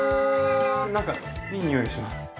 なんかいい匂いがします。